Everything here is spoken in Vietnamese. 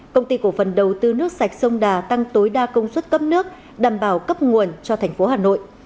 công ty cổ phần đầu tư nước sạch sông đà tăng tối đa công suất cấp nước đảm bảo cấp nguồn cho thành phố hà nội